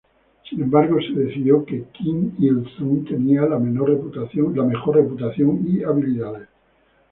Sin embargo, se decidió que Kim Il-sung tenía la mejor reputación y habilidades.